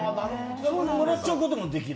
そのままもらっちゃうこともできる？